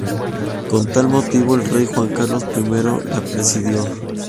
Con tal motivo, el rey Juan Carlos I la presidió.